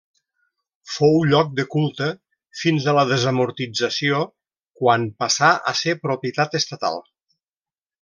Fou lloc de culte fins a la desamortització, quan passà a ser propietat estatal.